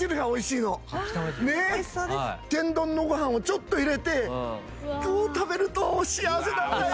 天丼のご飯をちょっと入れてこう食べると幸せなんだよ。